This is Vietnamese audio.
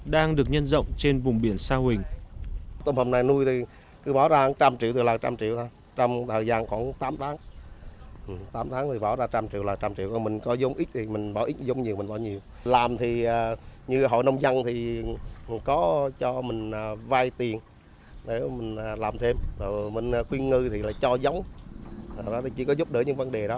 đang được nhân rộng trên vùng biển sa huỳnh